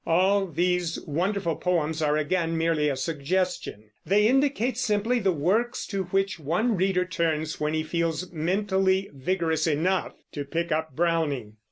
All these wonderful poems are, again, merely a suggestion. They indicate simply the works to which one reader turns when he feels mentally vigorous enough to pick up Browning.